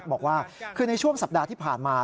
บอกว่าคือในช่วงสัปดาห์ที่ผ่านมา